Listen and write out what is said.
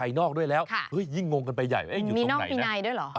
สวัสดีครับ